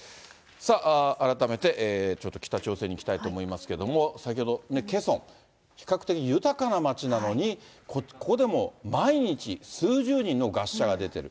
さあ、改めてちょっと北朝鮮にいきたいと思いますけれども、先ほど、ケソン、比較的豊かな町なのに、ここでも毎日、数十人の餓死者が出てる。